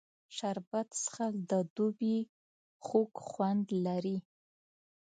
شربت څښل د دوبي خوږ خوند لري